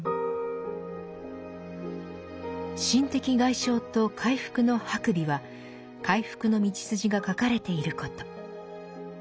「心的外傷と回復」の白眉は回復の道筋が書かれていること。